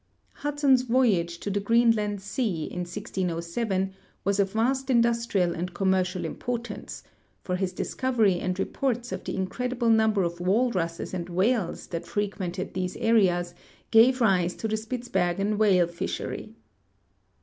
Hudson's voyage to the Greenland sea, in 1607, was of vast industrial and commercial importance, for his discovery and reports of the incredible number of walruses and whales that frequented these seas gave rise to the Spitzbergen whale fishery.